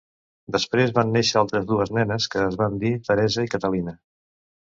Després van néixer altres dues nenes que es van dir Teresa i Catalina.